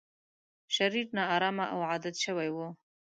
شرير، نا ارامه او عادت شوی و.